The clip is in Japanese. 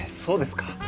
そうですか。